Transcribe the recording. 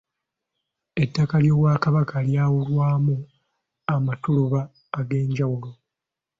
Ettaka ly'Obwakabaka lyawulwamu amatuluba ag'enjawulo.